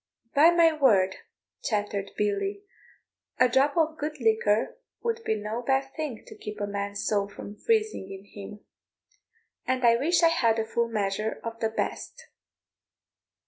"By my word," chattered Billy, "a drop of good liquor would be no bad thing to keep a man's soul from freezing in him; and I wish I had a full measure of the best."